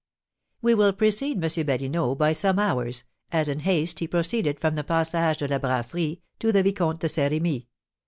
We will precede M. Badinot by some hours, as in haste he proceeded from the Passage de la Brasserie to the Vicomte de Saint Remy.